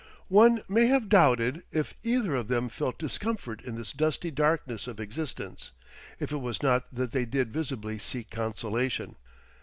One might have doubted if either of them felt discomfort in this dusty darkness of existence, if it was not that they did visibly seek consolation.